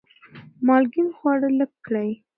مالګین خواړه لږ کړئ.